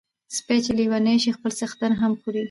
سپي چی لیوني سی خپل څښتن هم خوري .